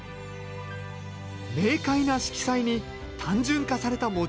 明快な色彩に単純化されたモチーフ。